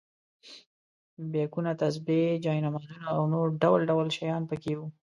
بیکونه، تسبیح، جاینمازونه او نور ډول ډول شیان په کې وو.